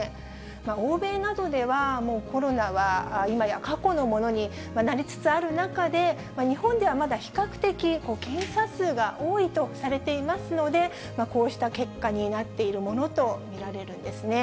欧米などでは、もうコロナは、今や過去のものになりつつある中で、日本ではまだ比較的検査数が多いとされていますので、こうした結果になっているものと見られるんですね。